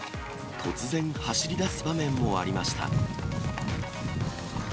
突然、走りだす場面もありました。